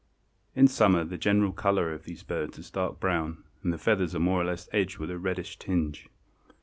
In summer the general color of these birds is dark brown and the feathers are more or less edged with a reddish tinge.